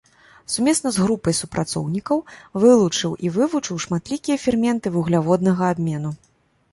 Сумесна з групай супрацоўнікаў вылучыў і вывучыў шматлікія ферменты вугляводнага абмену.